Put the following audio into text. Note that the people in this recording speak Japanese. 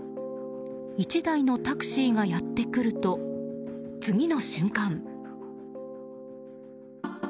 １台のタクシーがやってくると次の瞬間。